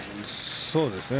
そうですね。